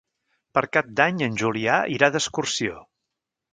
Per Cap d'Any en Julià irà d'excursió.